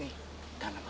kita udah responit nih